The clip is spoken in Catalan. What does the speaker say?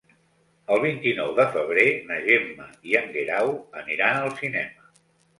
El vint-i-nou de febrer na Gemma i en Guerau aniran al cinema.